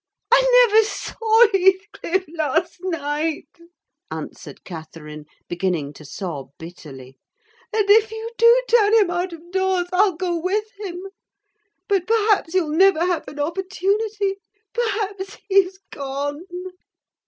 "I never saw Heathcliff last night," answered Catherine, beginning to sob bitterly: "and if you do turn him out of doors, I'll go with him. But, perhaps, you'll never have an opportunity: perhaps, he's gone."